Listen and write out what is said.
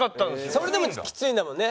それでもきついんだもんね。